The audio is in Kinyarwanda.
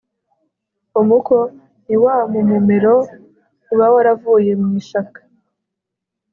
umuko ni wa mu mumero uba waravuye mu ishaka